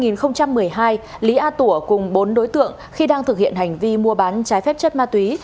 năm hai nghìn một mươi hai lý a tủa cùng bốn đối tượng khi đang thực hiện hành vi mua bán trái phép chất ma túy